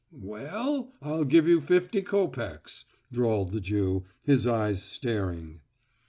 "We ll, I'll give you fifty copecks," drawled the Jew, his eyes staring.